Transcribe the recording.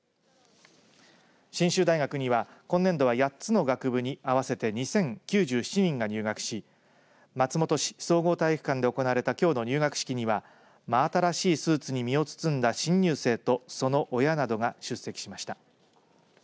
信州大学には今年度は８つの学部に合わせて２０９７人が入学し松本市総合体育館で行われたきょうの入学式には真新しいスーツに身を包んだ新入生とその親などが出席しました。